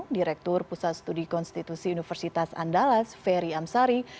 direktur pusat studi konstitusi universitas andalas ferry amsari